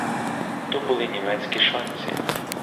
То були німецькі шанці.